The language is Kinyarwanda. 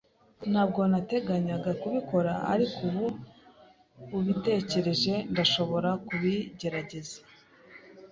Ntabwo nateganyaga kubikora, ariko ubu ubitekereje, ndashobora kubigerageza.